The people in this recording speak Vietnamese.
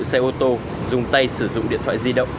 xe ô tô dùng tay sử dụng điện thoại di động